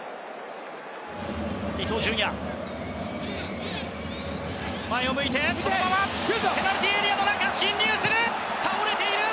伊東純也、前を向いてそのままペナルティーエリアの中進入する。